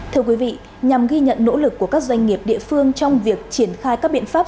thưa quý vị nhằm ghi nhận nỗ lực của các doanh nghiệp địa phương trong việc triển khai các biện pháp